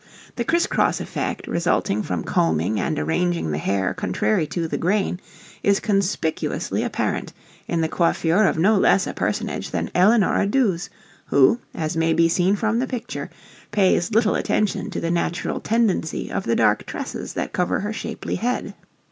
The criss cross effect resulting from combing and arranging the hair contrary to "the grain" is conspicuously apparent in the coiffure of no less a personage than Eleanora Duse, who, as may be seen from the picture, pays little attention to the natural tendency of the dark tresses that cover her shapely head.